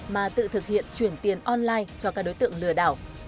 mà tự thực hiện chuyển tiền online cho các đối tượng lừa đảo